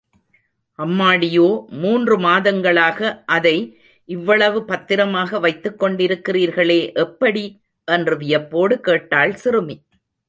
அம்மாடியோ, மூன்று மாதங்களாக, அதை இவ்வளவு பத்திரமாக வைத்துக் கொண்டிருக்கிறீர்களே, எப்படி? என்று வியப்போடு கேட்டாள் சிறுமி.